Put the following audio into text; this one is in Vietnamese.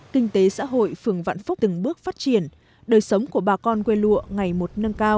kinh tế xã hội phường vạn phúc từng bước phát triển đời sống của bà con quê lụa ngày một nâng cao